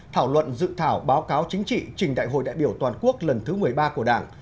thảo luận dự thảo báo cáo chính trị trình đại hội đại biểu toàn quốc lần thứ một mươi ba của đảng